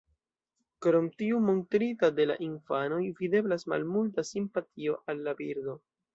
Krom tiu montrita de la infanoj, videblas malmulta simpatio al la birdo.